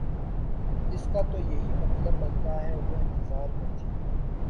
اس کا تو یہی مطلب بنتا ہے وہ انتظار میں تھی